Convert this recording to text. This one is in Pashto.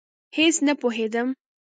هېڅ نه پوهېدم.